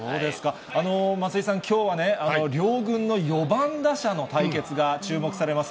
松井さん、きょうはね、両軍の４番打者の対決が注目されます。